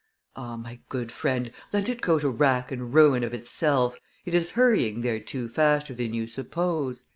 "Ah! my good friend, let it go to rack and ruin of itself, it is hurrying thereto faster than you suppose."